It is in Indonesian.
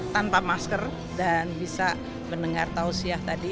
tanpa masker dan bisa mendengar tausiah tadi